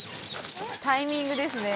タイミングですね。